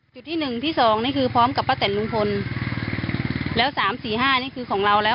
ที่หนึ่งที่สองนี่คือพร้อมกับป้าแต่นลุงพลแล้วสามสี่ห้านี่คือของเราแล้ว